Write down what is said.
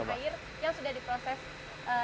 untuk menurut saya air yang sudah diproses